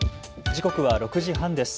時刻は６時半です。